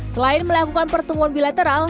selain melakukan pertemuan bilateral